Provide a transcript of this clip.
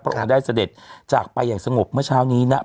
องค์ได้เสด็จจากไปอย่างสงบเมื่อเช้านี้นะ